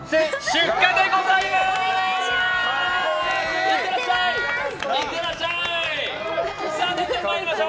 出荷でございます。